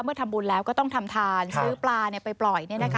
ทำบุญแล้วก็ต้องทำทานซื้อปลาไปปล่อย